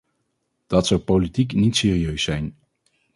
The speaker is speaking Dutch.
Dat zou politiek niet serieus zijn.